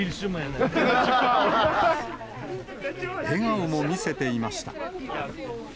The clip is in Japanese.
笑顔も見せていました。